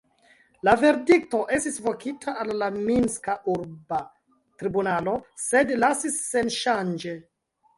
La verdikto estis vokita al la Minska urba tribunalo, sed lasis senŝanĝe.